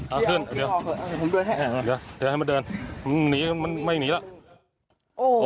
เอาขึ้นเดี๋ยวให้มาเดินมึงหนีมันไม่หนีแล้ว